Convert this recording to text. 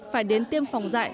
phải đến tiêm phòng dại